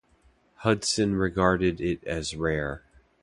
Hudson regarded it as rare.